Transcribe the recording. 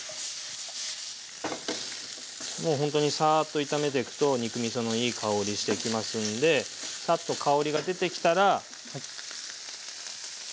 もうほんとにサーッと炒めていくと肉みそのいい香りしてきますんでサッと香りが出てきたら高菜。